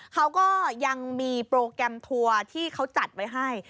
เขาก็ยังมีโปรแกรมทัวร์ที่เขาจัดไว้ให้